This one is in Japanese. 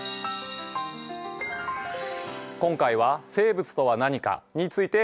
今回は「生物とは何か」について考えてきました。